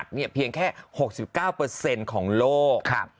ดำเนินคดีต่อไปนั่นเองครับ